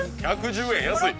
１１０円安い！